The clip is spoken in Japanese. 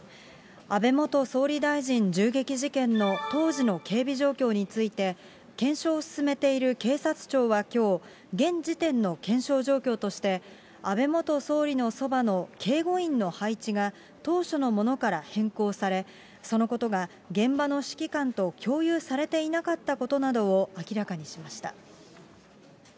安倍元総理大臣銃撃事件の当時の警備状況について、検証を進めている警察庁はきょう、現時点の検証状況として、安倍元総理のそばの警護員の配置が、当初のものから変更され、そのことが現場の指揮官と共有されていなかったことなどを明らかにしました。